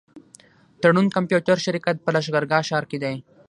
تړون کمپيوټر شرکت په لښکرګاه ښار کي دی.